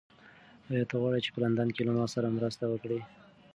ایا ته غواړې چې په لندن کې له ما سره مرسته وکړې؟